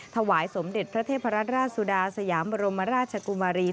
ถวายสมเด็จพระเทพรัตราชสุดาสยามบรมราชกุมารี